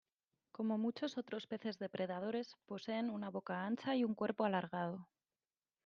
Como muchos otros peces depredadores, poseen una boca ancha y un cuerpo alargado.